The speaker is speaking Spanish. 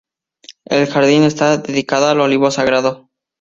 El jardín está dedicada al olivo sagrado.